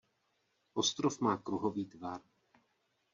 Ostrov má kruhový tvar.